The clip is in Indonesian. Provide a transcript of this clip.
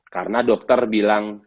karena dokter bilang